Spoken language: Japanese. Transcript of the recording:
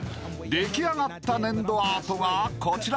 ［出来上がった粘土アートがこちら］